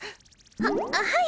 ははい！